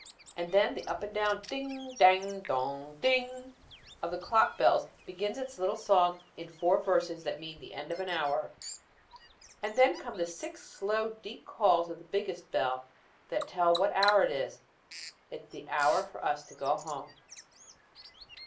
And then the up and down "ding, dang, dong, ding," of the clock bells begins its little song in four verses that means the end of an hour. And then come the six slow deep calls of the biggest bell that tell what hour it is. It is the hour for us to go home.